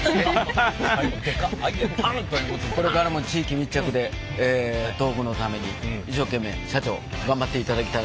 これからも地域密着で東北のために一生懸命社長頑張っていただきたいと思います。